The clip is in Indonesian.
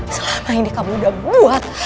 selama ini kamu udah buat